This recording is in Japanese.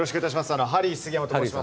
ハリー杉山と申します。